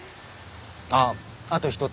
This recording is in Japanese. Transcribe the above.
あっあと一つ。